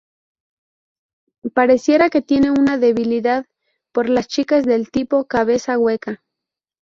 Pareciera que tiene una debilidad por las chicas del tipo ""cabeza hueca"".